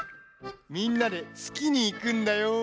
みんなでつきにいくんだよ！